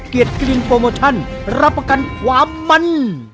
กลิ่นโปรโมชั่นรับประกันความมัน